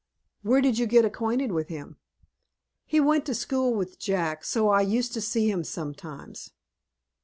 "Where did you get acquainted with him?" "He went to school with Jack, so I used to see him sometimes."